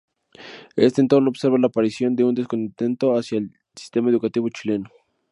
Este entorno observa la aparición de un descontento hacia el sistema educativo chileno.